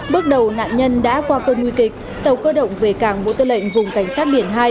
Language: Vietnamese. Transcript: bước đầu nạn nhân đã qua cơn nguy kịch tàu cơ động về cảng bộ tư lệnh vùng cảnh sát biển hai